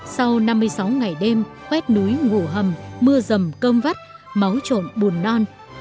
sau năm mươi sáu ngày đêm khoét núi ngủ hầm mưa rầm cơm vắt máu trộn bùn non